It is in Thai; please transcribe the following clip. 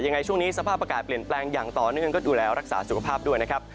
ยังไงช่วงนี้สภาพอากาศเปลี่ยนแปลงอย่างต่อเนื่องก็ดูแลรักษาสุขภาพด้วยนะครับ